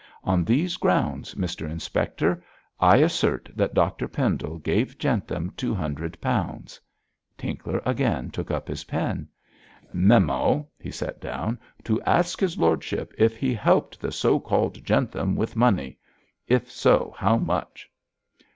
On these grounds, Mr Inspector, I assert that Dr Pendle gave Jentham two hundred pounds.' Tinkler again took up his pen. 'Memo,' he set down, 'to ask his lordship if he helped the so called Jentham with money. If so, how much?'